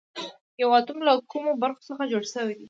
یو اتوم له کومو برخو څخه جوړ شوی دی